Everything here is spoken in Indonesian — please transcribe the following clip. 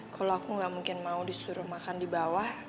kalo aku gak mungkin mau disuruh makan di bawah